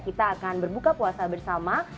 kita akan berbuka puasa bersama